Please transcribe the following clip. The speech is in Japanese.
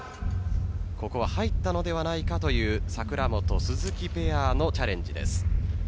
ここは入ったのではないかという櫻本・鈴木ペアのチャレンジです。